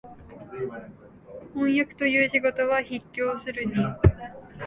飜訳という仕事は畢竟するに、